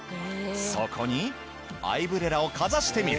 そこにアイブレラをかざしてみる。